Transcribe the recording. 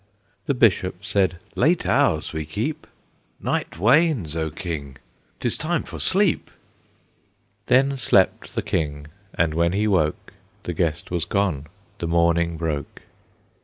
The Bishop said, "Late hours we keep! Night wanes, O King! 'tis time for sleep!" Then slept the King, and when he woke The guest was gone, the morning broke.